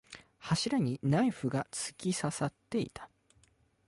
柱にナイフが突き刺さっていた。